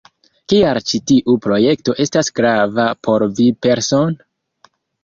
Kial ĉi tiu projekto estas grava por vi persone?